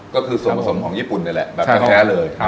ก็คือส่วนผสมของญี่ปุ่นนี่แหละแบบแท้เลย